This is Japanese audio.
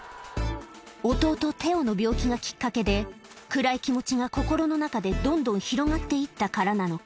弟テオの病気がきっかけで暗い気持ちが心の中でどんどん広がっていったからなのか